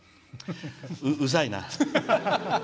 うざいな。